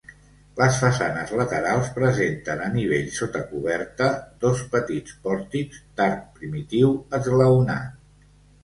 Les façanes laterals presenten a nivell sota coberta dos petits pòrtics d'arc primitiu esglaonat.